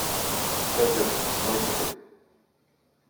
CADIO, sans l'écouter.